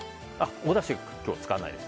おだしは今日は使わないです。